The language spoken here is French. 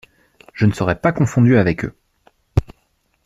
Je ne serai pas confondu avec eux.